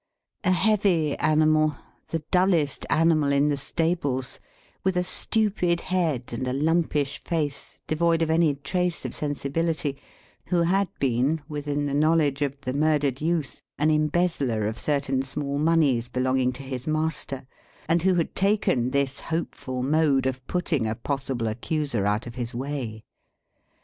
A heavy animal, the dullest animal in the stables, with a stupid head, and a lumpish face devoid of any trace of insensibility, who had been, within the knowledge of the murdered youth, an embezzler of certain small moneys belonging to his master, and who had taken this hopeful mode of putting a possible accuser out of his way.